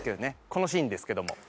「このシーンですけども。